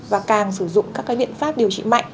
và càng sử dụng các biện pháp điều trị mạnh